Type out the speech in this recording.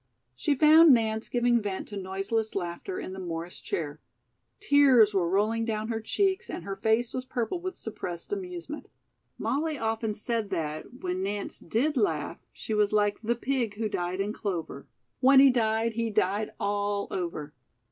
She found Nance giving vent to noiseless laughter in the Morris chair. Tears were rolling down her cheeks and her face was purple with suppressed amusement. Molly often said that, when Nance did laugh, she was like the pig who died in clover. When he died, he died all over.